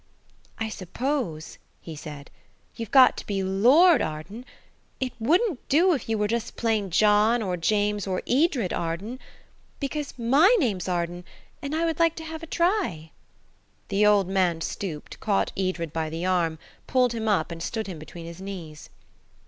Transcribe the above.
"I suppose," he said, "you've got to be Lord Arden? It wouldn't do if you were just plain John or James or Edred Arden? Because my name's Arden, and I would like to have a try?" The old man stooped, caught Edred by the arm, pulled him up, and stood him between his knees.